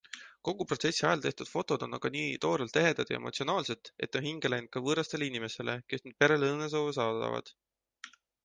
Kogu protsessi ajal tehtud fotod on aga nii toorelt ehedad ja emotsionaalsed, et on hinge läinud ka võõrastele inimestele, kes nüüd perele õnnesoove saadavad.